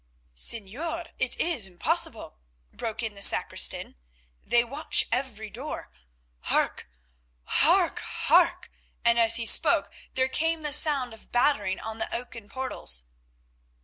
"Señor, it is impossible," broke in the sacristan; "they watch every door. Hark! hark! hark!" and as he spoke there came the sound of battering on the oaken portals.